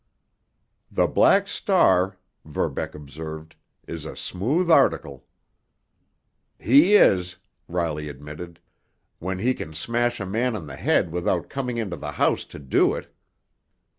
"The Black Star," Verbeck observed, "is a smooth article." "He is," Riley admitted, "when he can smash a man on the head without coming into the house to do it.